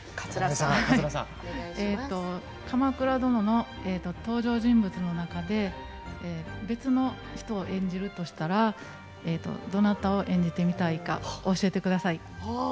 「鎌倉殿」の登場人物の中で別の人を演じるとしたらどなたを演じてみたいか教えてください。